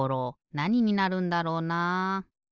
なにになるんだろうな。